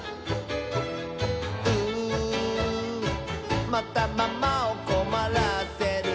「うーまたママをこまらせる」